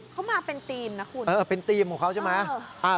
เขามาเป็นธีมนะคุณเออเป็นธีมของเขาใช่ไหม